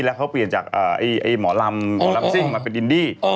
แล้วเขาเปลี่ยนจากหมอลำหมอลำซิ่งมาเป็นอินดี้